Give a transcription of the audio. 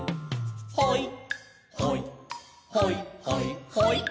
「ほいほいほいほいほい」